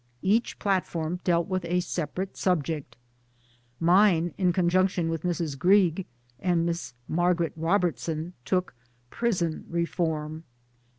Each platform dealt with a separate sub jectmine, in conjunction with Mrs. Greig and Miss Margaret Robertson, took Prison Reform.